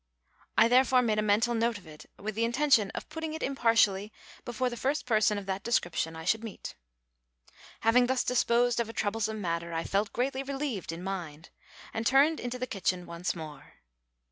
I therefore made a mental note of it, with the intention of putting it impartially before the first person of that description I should meet. Having thus disposed of a troublesome matter, I felt greatly relieved in mind, and turned into the kitchen once more.